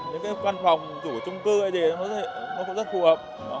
những căn phòng chủ trung cư nó cũng rất phù hợp